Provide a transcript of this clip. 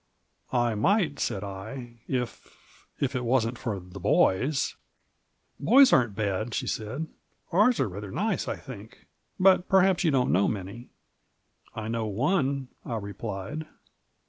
"I might," said I, "if— if it wasn't for the boysl" *^ Boys aren't bad," she said ;" ours are rather nice, I think. But perhaps you don't know many?" "I know one," I replied.